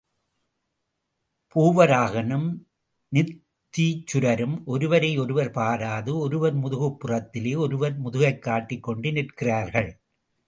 பூவராகனும் நித்தீச்சுரரும் ஒருவரையொருவர் பாராது ஒருவர் முதுகுப் புறத்திலே ஒருவர் முதுகைக் காட்டிக் கொண்டு நிற்கிறார்கள்.